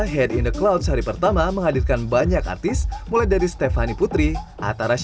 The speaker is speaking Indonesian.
head in the cloud sehari pertama menghadirkan banyak artis mulai dari stephanie putri atara